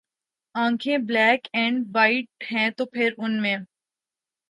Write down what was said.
آنکھیں ’ black and white ‘ ہیں تو پھر ان میں